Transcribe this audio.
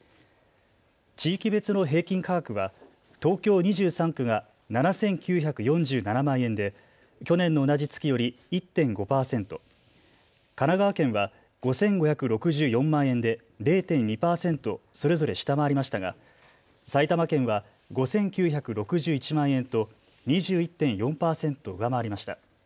地域別の平均価格は東京２３区が７９４７万円で去年の同じ月より１．５％、神奈川県は５５６４万円で０．２％それぞれ下回りましたが埼玉県は５９６１万円と２１．４％上回りました。